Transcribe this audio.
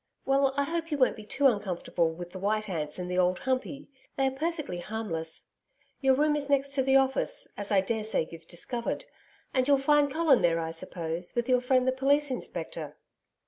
Well, I hope you won't be too uncomfortable with the white ants in the Old Humpey they are perfectly harmless. Your room is next to the office, as I daresay you've discovered. And you'll find Colin there I suppose, with your friend the Police Inspector.'